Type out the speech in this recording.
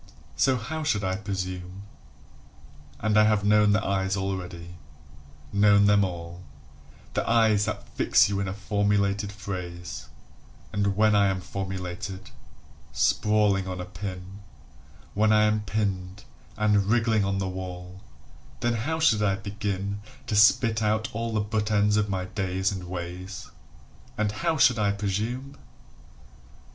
So how should I presume? And I have known the eyes already, known them all The eyes that fix you in a formulated phrase, And when I am formulated, sprawling on a pin, When I am pinned and wriggling on the wall, Then how should I begin To spit out all the butt ends of my days and ways? And how should I presume?